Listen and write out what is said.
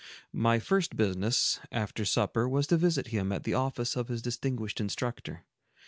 My first business, after supper, was to visit him at the office of his distinguished instructor.